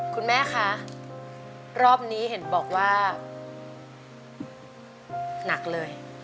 คุณแม่คะรอบนี้เห็นบอกว่าหนักเลย